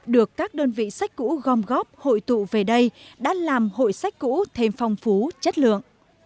được các đơn vị sách cũ gom góp hội tụ về đây đã làm hội sách cũ thêm phong phú chất lượng